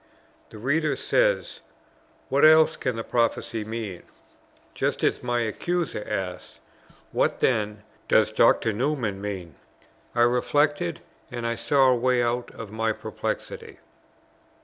The reader says, "What else can the prophecy mean?" just as my Accuser asks, "What, then, does Dr. Newman mean?" ... I reflected, and I saw a way out of my perplexity.